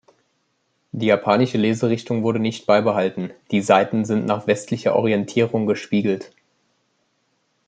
Die japanische Leserichtung wurde nicht beibehalten, die Seiten sind nach westlicher Orientierung gespiegelt.